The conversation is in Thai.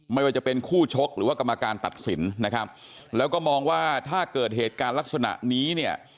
ไม่ว่าจะเป็นคู่ชกหรือว่ากรรมการตัดสินนะครับแล้วก็มองว่าถ้าเกิดเหตุการณ์ลักษณะนี้เนี่ย